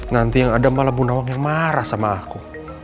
nanti yang ada malah bu nawang yang marah sama aku